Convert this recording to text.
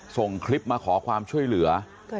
ส่งคลิปมาขอความช่วยเหลือ